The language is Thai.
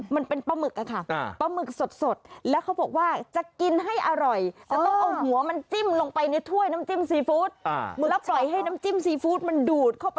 มันเป็นปลาหมึก